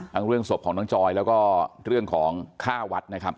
เรื่องศพของน้องจอยแล้วก็เรื่องของค่าวัดนะครับ